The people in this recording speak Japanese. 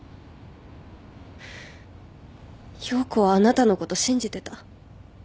葉子はあなたのこと信じてた。